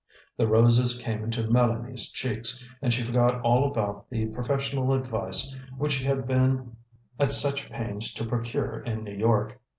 The roses came into Mélanie's cheeks, and she forgot all about the professional advice which she had been at such pains to procure in New York.